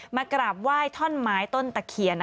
มากราบไหว้ท่อนไม้ต้นตะเคียน